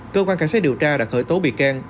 cơ quan cảnh sát điều tra đã khởi tố bị can